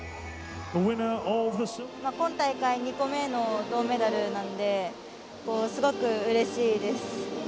今大会２個目の銅メダルなんですごくうれしいです。